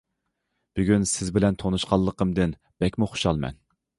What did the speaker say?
بۈگۈن سىز بىلەن تونۇشقانلىقىمدىن بەكمۇ خۇشالمەن.